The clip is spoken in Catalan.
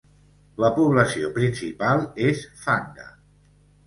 La població principal és Fanga.